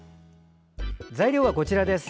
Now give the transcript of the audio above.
材料はこちらです。